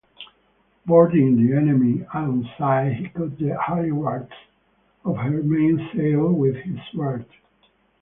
Boarding the enemy alongside he cut the halliards of her mainsail with his sword.